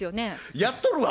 やっとるわ！